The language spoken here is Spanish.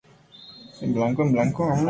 Todo es sincero incluso cuando es una locura".